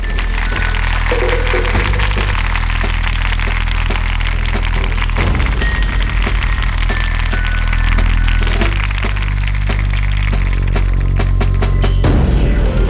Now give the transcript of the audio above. โปรดติดตามตอนต่อไป